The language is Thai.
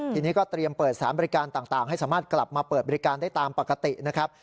ทีนี้ก็เตรียมเปิดสารบริการต่างให้สามารถกลับมาเปิดบริการได้ตามปกตินะครับ